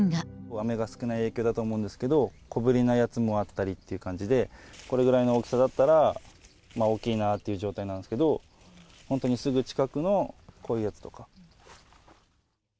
雨が少ない影響だと思うんですけど、小ぶりなやつもあったりっていう感じで、これぐらいの大きさだったら大きいなという状態なんですけど、本当にすぐ近くのこういうやつとか。